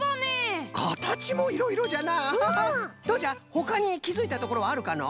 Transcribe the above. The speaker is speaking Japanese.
ほかにきづいたところはあるかのう？